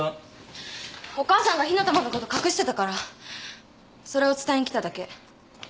お母さんが火の玉のこと隠してたからそれを伝えに来ただけ。